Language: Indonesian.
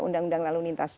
undang undang lalu lintas